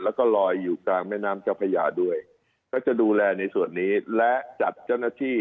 แล้วก็ลอยอยู่กลางแม่น้ำเจ้าพระยาด้วยก็จะดูแลในส่วนนี้และจัดเจ้าหน้าที่